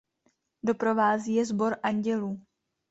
Doprovází je sbor andělů.